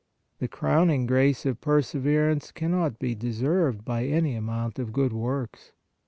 The crowning grace of perseverance cannot be deserved by any amount of good works.